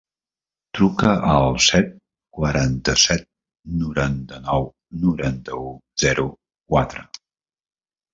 Truca al set, quaranta-set, noranta-nou, noranta-u, zero, quatre.